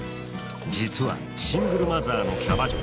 実はシングルマザーのキャバ嬢。